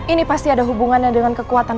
ini pasti ada hubungannya dengan kekuatan